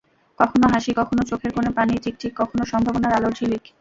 কখনো হাসি, কখনো চোখের কোণে পানি চিকচিক, কখনো সম্ভাবনার আলোর ঝিলিক।